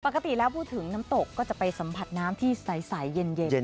ปกติแล้วพูดถึงน้ำตกก็จะไปสัมผัสน้ำที่ใสเย็น